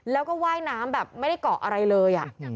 แล้วก็ว่ายน้ำแบบไม่ได้เกาะอะไรเลย